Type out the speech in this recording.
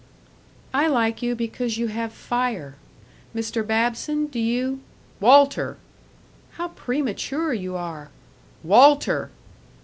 "I like you because you have fire. Mr. Babson, do you " "Walter!" "How premature you are!" "Walter!"